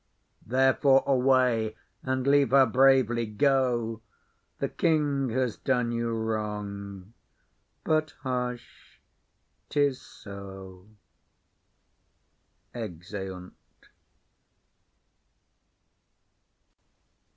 Therefore away, and leave her bravely; go. The king has done you wrong; but hush 'tis so. [_Exeunt.